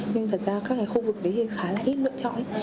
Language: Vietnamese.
nhưng thật ra các cái khu vực đấy thì khá là ít lựa chọn